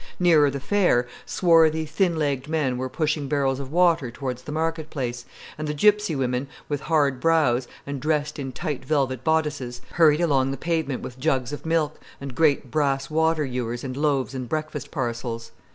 Nearer the fair, swarthy, thin legged men were pushing barrels of water towards the market place, and the gipsy women, with hard brows, and dressed in tight velvet bodices, hurried along the pavement with jugs of milk, and great brass water ewers and loaves and breakfast parcels.